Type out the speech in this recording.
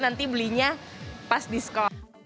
nanti belinya pas diskon